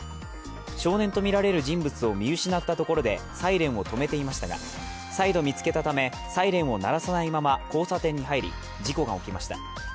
少年とみられる人物を見失ったところでサイレンをとめていましたが再度見つけたため、サイレンを鳴らさないまま交差点に入り、事故が起きました。